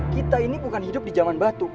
kita ini bukan hidup di zaman batu